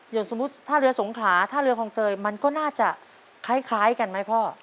สมมุติถ้าเรือสงขลาถ้าเรือคลองเตยมันก็น่าจะคล้ายกันไหมพ่อ